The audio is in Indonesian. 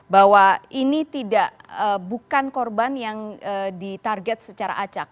bahwa ini tidak bukan korban yang ditarget secara acak